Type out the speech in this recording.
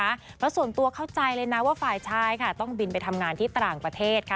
เพราะส่วนตัวเข้าใจเลยนะว่าฝ่ายชายค่ะต้องบินไปทำงานที่ต่างประเทศค่ะ